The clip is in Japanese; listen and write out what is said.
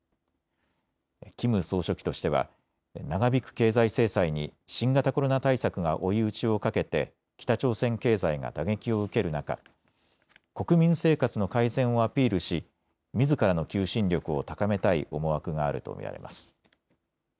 キム総書記としては長引く経済制裁に新型コロナ対策が追い打ちをかけて北朝鮮経済が打撃を受ける中、国民生活の改善をアピールしみずからの求心力を高めたい思惑があると見られます。